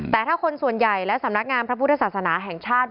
แต่ถ้าคนส่วนใหญ่และสำนักงานพระพุทธศาสนาแห่งชาติ